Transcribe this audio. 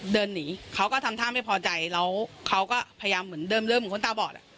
เดินหนีเขาก็ทำท่าไม่พอใจแล้วเขาก็พยายามเหมือนเดิมเหมือนคนตาบอดอ่ะ